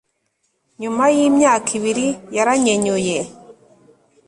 nyuma yimyaka ibiri, yaranyenyuye